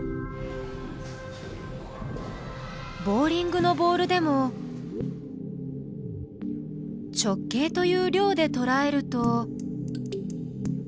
ボウリングのボールでも「直径」という「量」でとらえると。